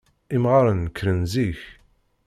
Imɣaren nekkren zik.